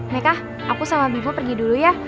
meka aku sama bimo pergi dulu ya